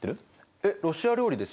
えっロシア料理ですよね？